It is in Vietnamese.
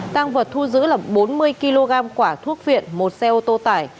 tang vật thu giữ là bốn mươi kg quả thuốc viện một xe ô tô tải